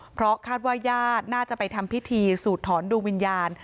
เพราะคาดว่าญาติน่าจะไปทำพิธีสูดถอนดวงวิญญาณ